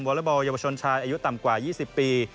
วอลเลยวชนชัยอยู่ต่ำกว่า๒๐ปี